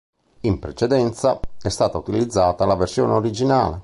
In precedenza, è stata utilizzata la versione originale.